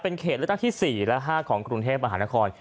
เป็นเขตเลือกตั้งที่๔และ๕ของกรุงเทพมหานคร